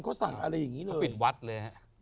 เขาปิดวัดเลย